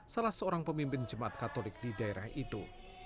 salah seorang pemimpin jemaat katolik di daerah itu